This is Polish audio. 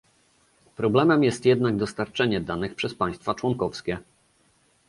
Problemem jest jednak dostarczanie danych przez państwa członkowskie